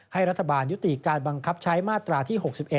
ให้รัฐบาลยุติการบังคับใช้มาตราที่๖๑